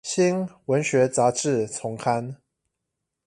新文學雜誌叢刊